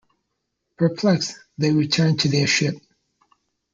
Perplexed, they return to their ship.